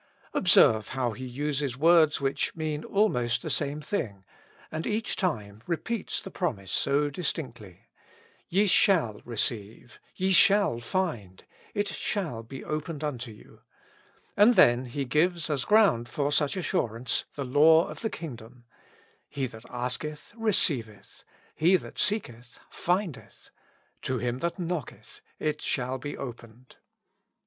Observe how He uses words which mean almost the same thing, and each time, repeats the promise so distinctly : "Ye shall receive, ye shall find, it shall be opened unto you ;" and then gives as ground for such assur ance the law of the kingdom: "He that asketh, receiveth; he that seeketh, findeth; to him that knocketh, it shall be opened.''